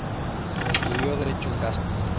Estudió Derecho en Kazán.